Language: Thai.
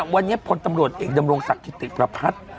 วันนี้พลตำรวจเอกดำรงศักดิติประพัฒน์